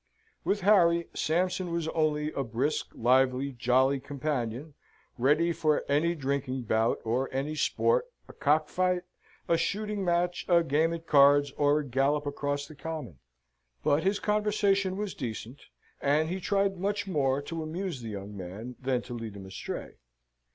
With Harry, Sampson was only a brisk, lively, jolly companion, ready for any drinking bout, or any sport, a cock fight, a shooting match, a game at cards, or a gallop across the common; but his conversation was decent, and he tried much more to amuse the young man, than to lead him astray.